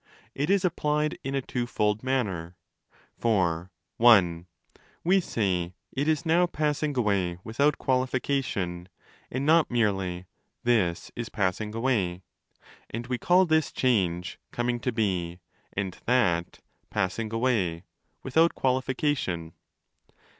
(It is applied in a twofold manner.)* For (i) we say 'it is now passing away ᾿ without qualification, and not merely 'zhzs is passing away':* and we call zhis change 'coming to be', and ¢hat ' passing away', without qualification.